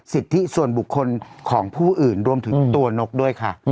สิทธิส่วนบุคคลของผู้อื่นรวมถึงตัวนกด้วยค่ะ